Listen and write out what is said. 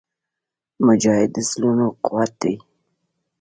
مجاهد د زړونو قوت وي.